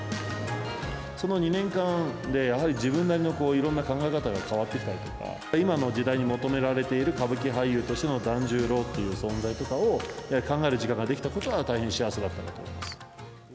その２年間で、やはり自分なりのいろんな考え方が変わってきたりとか、今の時代に求められている歌舞伎俳優としての團十郎っていう存在とかを、やはり考える時間ができたことは、大変幸せだったと思います。